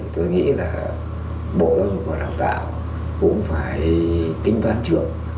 tôi nghĩ là bộ giáo dục và đào tạo cũng phải tính toán trước